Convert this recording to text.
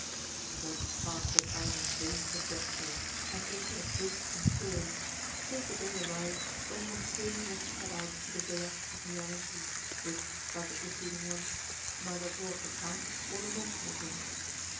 Thus passed the time in vain conjecture, and alternate hopes and fears, till the day arrived when Montoni was to set out for the villa of Miarenti, which, like the preceding ones, neither brought the Count, nor the mention of him.